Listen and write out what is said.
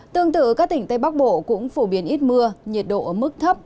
tương tự các tỉnh tây bắc bộ cũng phổ biến ít mưa nhiệt độ ở mức thấp